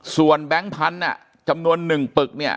ส่วนแบงค์พันธุ์จำนวน๑ปึกเนี่ย